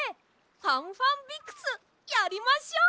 「ファンファンビクス」やりましょう！